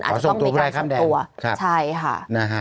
อาจจะต้องไปการส่งตัวใช่ค่ะนะฮะขอส่งตัวไปข้างแดน